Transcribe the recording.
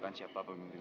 terus siapa aja calonnya